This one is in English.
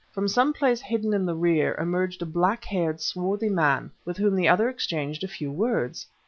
From some place hidden in the rear, emerged a black haired, swarthy man, with whom the other exchanged a few words.